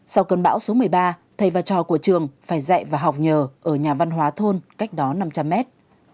sau cơn bão số một mươi ba thầy và trò của trường phải dạy và học nhờ ở nhà văn hóa thôn cách đó năm trăm linh mét